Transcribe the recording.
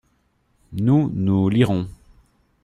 Nous, nous lirons.